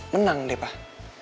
menang deh pak